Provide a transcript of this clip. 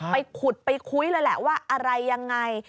ไปขุดไปคุยเลยแหละว่าอะไรยังไง